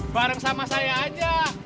bareng sama saya aja